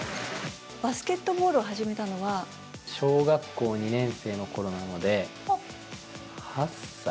バスケットボールを始めたの小学校２年生のころなので、８歳？